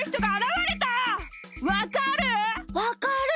わかる？